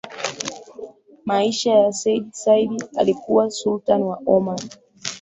Maisha ya Sayyid Said alikuwa Sultani wa Omani